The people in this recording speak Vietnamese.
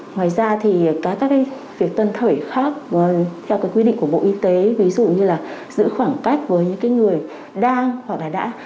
ngoài ra thì các cái việc tuân thời khác theo cái quy định của bộ y tế ví dụ như là giữ khoảng cách với những người đang hoặc là đã